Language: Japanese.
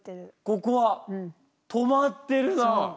ここは止まってるな。